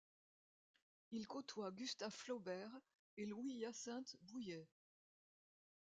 Il côtoie Gustave Flaubert et Louis-Hyacinthe Bouilhet.